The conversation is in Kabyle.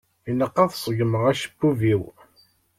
Ilaq ad segmeγ acebbub-iw.